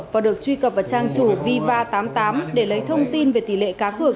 và được truy cập vào trang chủ viva tám mươi tám để lấy thông tin về tỷ lệ cá cược